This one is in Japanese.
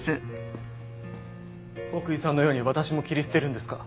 奥居さんのように私も切り捨てるんですか？